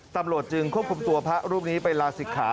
ตำรวจจึงควบคุมตัวพระรูปนี้ไปลาศิกขา